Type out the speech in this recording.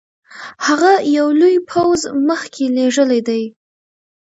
هغه یو لوی پوځ مخکي لېږلی دی.